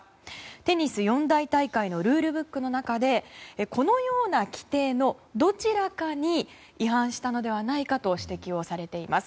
テニス四大大会のルールブックの中でこのような規定のどちらかに違反したのではないかと指摘をされています。